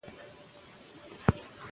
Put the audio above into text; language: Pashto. درانده شیان پورته کول د عضلاتو ځواک زیاتوي.